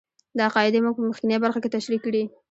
دا قاعدې موږ په مخکینۍ برخه کې تشرېح کړې.